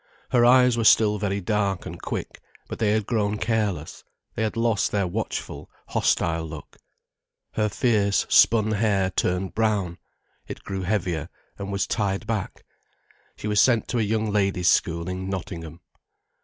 Her eyes were still very dark and quick, but they had grown careless, they had lost their watchful, hostile look. Her fierce, spun hair turned brown, it grew heavier and was tied back. She was sent to a young ladies' school in Nottingham.